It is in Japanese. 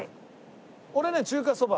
俺ね中華そば。